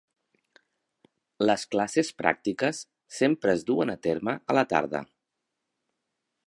Les classes pràctiques sempre es duen a terme a la tarda.